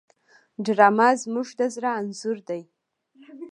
ډرامه زموږ د زړه انځور دی